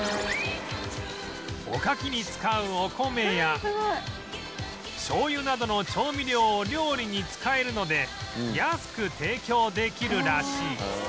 おかきに使うお米や醤油などの調味料を料理に使えるので安く提供できるらしい